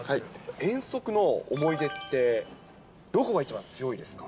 遠足の思い出って、どこが一番強いですか？